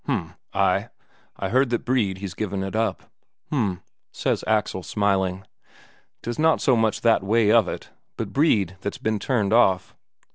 H'm. Ay, I heard that Brede he's given it up." "H'm," says Axel, smiling. "'Tis not so much that way of it, but Brede that's been turned off."